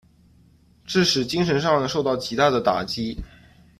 致使精神上受到极大的打击。